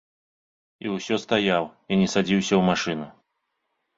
І ўсё стаяў і не садзіўся ў машыну.